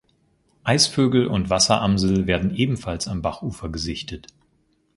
Eisvögel und Wasseramsel werden ebenfalls am Bachufer gesichtet.